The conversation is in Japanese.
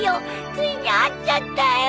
ついに会っちゃったよ。